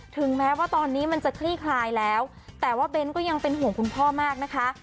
ถึงแม้ว่าตอนนี้มันจะคลี่คลายแล้วแต่ว่าเบ้นก็ยังเป็นห่วงคุณพ่อมากนะคะ